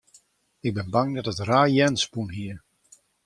Ik bin bang dat it raar jern spûn hie.